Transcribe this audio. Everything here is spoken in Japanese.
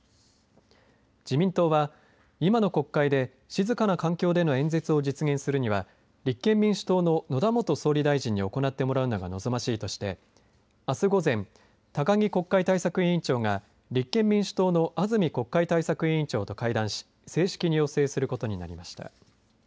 自民党は今の国会で静かな環境での演説を実現するには立憲民主党の野田元総理大臣に行ってもらうのが望ましいとしてあす午前、高木国会対策委員長が立憲民主党の安住国会対策委員長と会談し正式に要請することになりました。